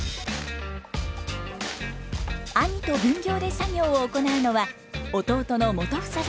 兄と分業で作業を行うのは弟の元英さんです。